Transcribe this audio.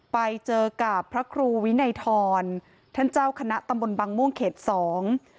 ไปเจอกับพระครูวินัยทรท่านเจ้าคณะตำบลบังม่วงเขตสอง